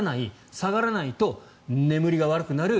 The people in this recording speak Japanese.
下がらないと眠りが悪くなる。